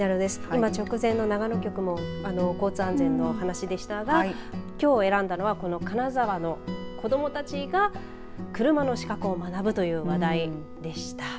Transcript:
今、直前の長野局の交通安全の話でしたがきょう選んだのは、この金沢の子どもたちが車の死角を学ぶという話題でした。